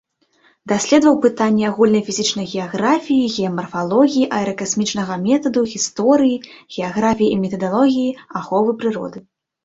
Даследаваў пытанні агульнай фізічнай геаграфіі, геамарфалогіі, аэракасмічнага метаду, гісторыі, геаграфіі і метадалогіі, аховы прыроды.